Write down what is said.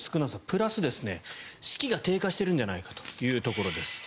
プラス士気が低下しているんじゃないかというところです。